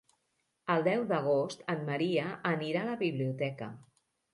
El deu d'agost en Maria anirà a la biblioteca.